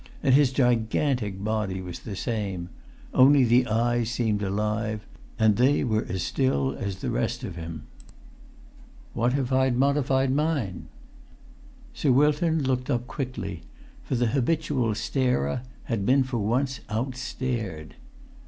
And his gigantic body was the same; only the eyes seemed alive; and they were as still as the rest of him. "What if I've modified mine?" Sir Wilton looked up quickly; for the habitual starer had been for once outstared.